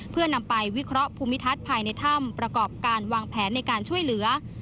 เพื่อนำไปวิเคราะห์ภูมิทัศน์ภายในถ้ำประกอบการวางแผนในการช่วยเหลือ